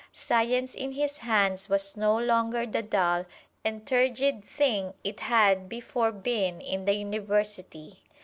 Science in his hands was no longer the dull and turgid thing it had before been in the University.